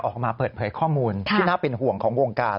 ออกมาเปิดเผยข้อมูลที่น่าเป็นห่วงของวงการ